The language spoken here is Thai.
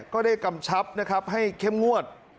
ก็ได้กำชับให้เข้มงวด